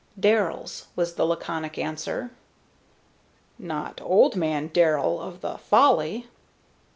"Darrells," was the laconic answer. "Not old man Darrell of the 'Folly'?"